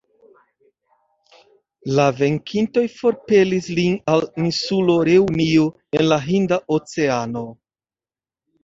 La venkintoj forpelis lin al insulo Reunio, en la Hinda Oceano.